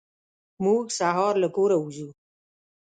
موږ سهار له کوره وځو.